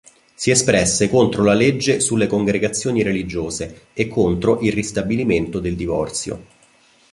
Si espresse contro la legge sulle congregazioni religiose e contro il ristabilimento del divorzio.